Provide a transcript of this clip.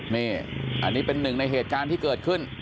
นี่อันนี้เป็นหนึ่งในเหตุการณ์ที่เกิดขึ้น